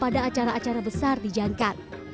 pada acara acara besar di jangkar